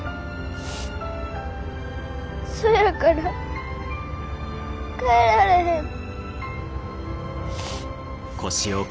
そやから帰られへん。